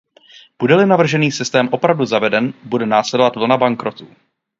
Bude-li navržený systém opravdu zaveden, bude následovat vlna bankrotů.